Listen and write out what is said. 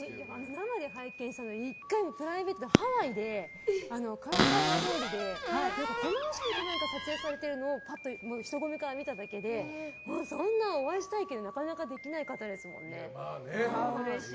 生で拝見したの１回、プライベートでハワイで、カラカウア通りでコマーシャルか何か撮影されているのを人混みから見ただけでそんな、お会いしたいけどなかなかできない方ですもんね。